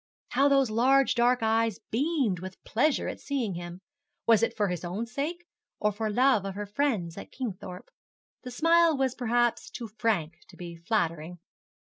How those large dark eyes beamed with pleasure at seeing him! Was it for his own sake, or for love of her friends at Kingthorpe? The smile was perhaps too frank to be flattering.